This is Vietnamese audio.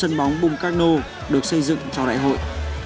và có một bóng bung karno được xây dựng cho đại hội